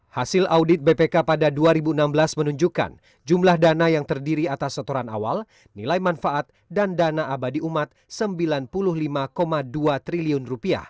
hasil audit bpk pada dua ribu enam belas menunjukkan jumlah dana yang terdiri atas setoran awal nilai manfaat dan dana abadi umat rp sembilan puluh lima dua triliun